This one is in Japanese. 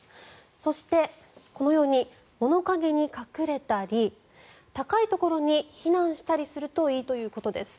そして、このように物陰に隠れたり高いところに避難したりするといいということです。